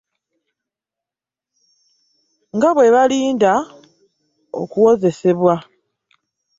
Nga bwe balinda okuwozesebwa.